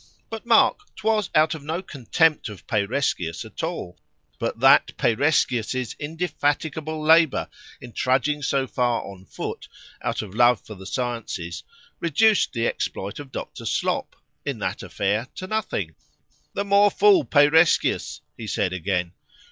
_ But mark, 'twas out of no contempt of Peireskius at all;——but that Peireskius's indefatigable labour in trudging so far on foot, out of love for the sciences, reduced the exploit of Dr. Slop, in that affair, to nothing:—the more fool Peireskius, said he again.